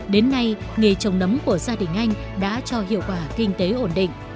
đến nay nghề trồng nấm của gia đình anh đã cho hiệu quả kinh tế ổn định